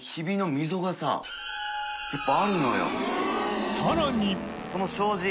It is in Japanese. いっぱいあるのよ。